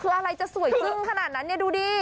คืออะไรจะสวยจึ้งขนาดนั้นเนี่ยดูดิ